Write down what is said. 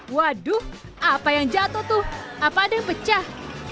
waduh apa yang jatuh tuh apa ada yang pecah